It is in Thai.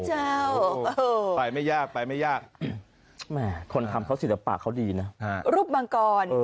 เจ้าไปไม่ยากไปไม่ยากแหมคนทำเขาศิลปะเขาดีนะรูปมังกร